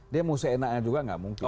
dia mau seenaknya juga nggak mungkin